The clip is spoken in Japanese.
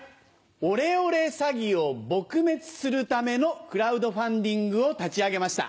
オレオレ詐欺を撲滅するためのクラウドファンディングを立ち上げました。